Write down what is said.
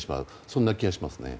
そんな気がしますね。